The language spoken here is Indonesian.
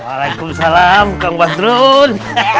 assalamualaikum salam kak mbak drun